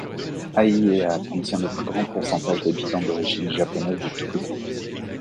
Aiea contient le plus grand pourcentage d’habitants d’origine japonaise de tout le pays.